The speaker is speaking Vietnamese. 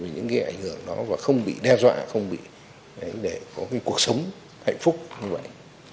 những cái ảnh hưởng đó và không bị đe dọa không bị để có cái cuộc sống hạnh phúc như vậy